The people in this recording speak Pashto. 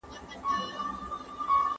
¬ تر خوړلو ئې اميد ښه دئ.